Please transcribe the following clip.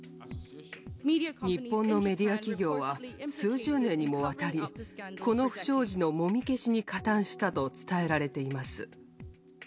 日本のメディア企業は、数十年にもわたり、この不祥事のもみ消しに加担したと伝えられています。